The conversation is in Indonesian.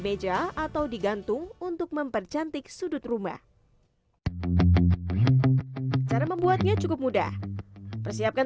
meja atau digantung untuk mempercantik sudut rumah cara membuatnya cukup mudah persiapkan